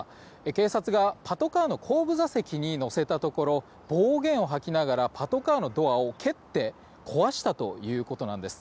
警察がパトカーの後部座席に乗せたところ暴言を吐きながらパトカーのドアを蹴って壊したということなんです。